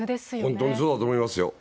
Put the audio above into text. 本当にそうだと思いますよ。